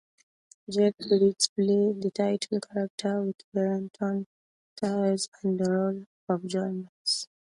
Jeff Bridges plays the title character with Brenton Thwaites in the role of Jonas.